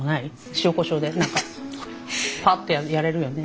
塩こしょうで何かパッとやれるよね。